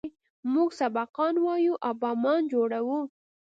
موږ سبقان وايو او بمان جوړوو.